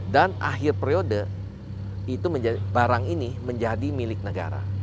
dan akhir periode itu menjadi barang ini menjadi milik negara